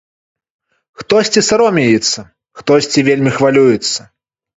Хтосьці саромеецца, хтосьці вельмі хвалюецца.